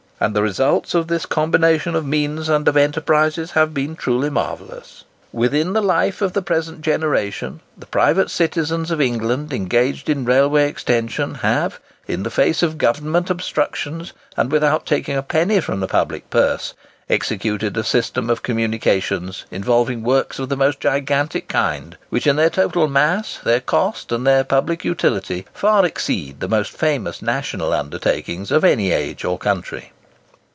And the results of this combination of means and of enterprise have been truly marvellous. Within the life of the present generation, the private citizens of England engaged in railway extension have, in the face of Government obstructions, and without taking a penny from the public purse, executed a system of communications involving works of the most gigantic kind, which, in their total mass, their cost, and their public utility, far exceed the most famous national undertakings of any age or country.